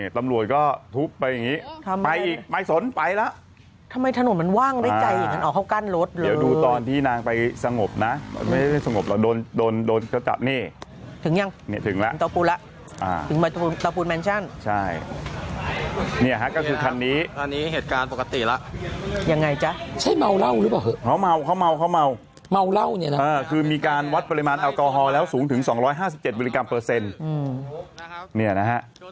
ตำรวจกระโดดตรงหลูกไปเลยอ่ะ